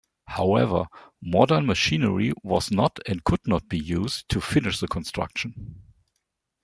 However, modern machinery was not and could not be used to finish the construction.